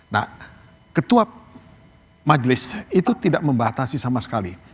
nah ketua majelis itu tidak membatasi sama sekali